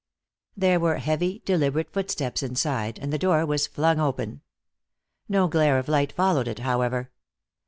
There were heavy, deliberate footsteps inside, and the door was flung open. No glare of light followed it, however.